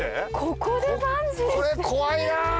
これ怖いな！